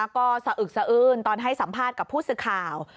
ก็สะอึกสะอื้นตอนให้สัมภาษณ์กับผู้สื่อข่าว